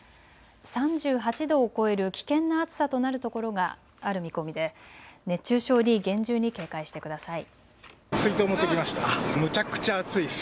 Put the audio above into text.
３８度を超える危険な暑さとなるところがある見込みで熱中症に厳重に警戒してください。